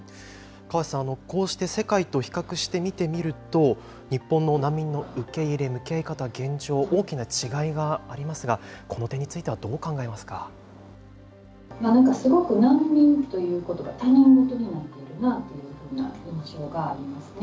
河瀬さん、こうして世界と比較して見てみると、日本の難民の受け入れ、受け方、現状、大きな違いがありますが、この点についなんかすごく、難民ということが他人事のようになっているというような印象がありますね。